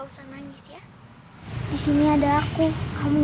orang yang tadi siang dimakamin